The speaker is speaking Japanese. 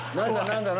何だ？